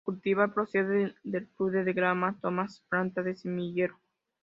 El cultivar procede del cruce de 'Graham Thomas'® x planta de semillero.